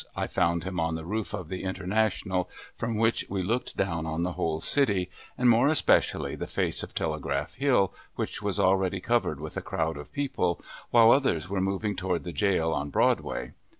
I found him on the roof of the International, from which we looked down on the whole city, and more especially the face of Telegraph Hill, which was already covered with a crowd of people, while others were moving toward the jail on Broadway.